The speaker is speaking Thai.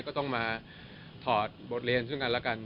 ก็ต้องมาถอดบทเรียนซึ่งกันแล้วกัน